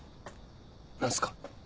何すか？